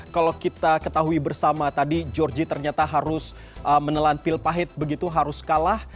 kalau kita ketahui bersama tadi georgie ternyata harus menelan pil pahit begitu harus kalah